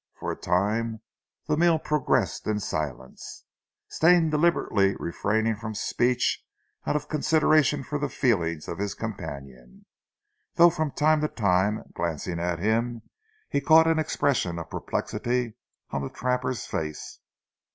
For a time the meal progressed in silence, Stane deliberately refraining from speech out of consideration for the feelings of his companion, though from time to time glancing at him he caught an expression of perplexity on the trapper's face.